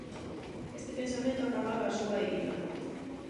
Este pensamento apagaba a súa ira.